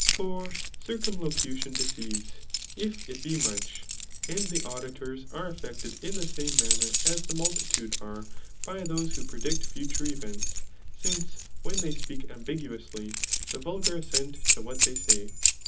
For circumlocudon deceives, if it be much, and the auditors are affected in the same manner as the muldtude are by those who predict future events, since when they speak ambiguously, the vulgar assent to what they say.